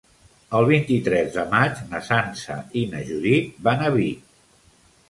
El vint-i-tres de maig na Sança i na Judit van a Vic.